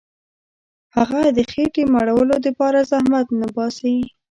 هغه د خېټي مړولو دپاره زحمت نه باسي.